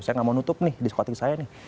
saya nggak mau nutup nih diskotik saya nih